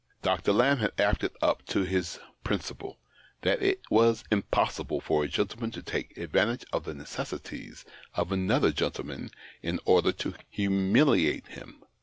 Dr. Lamb had acted up to his principle, that it was impossible for a gentleman to take advantage of the necessities of another gentleman in order to humiliate him.